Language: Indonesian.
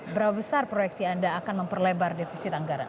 berapa besar proyeksi anda akan memperlebar defisit anggaran